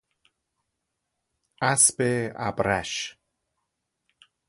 اسب ابرش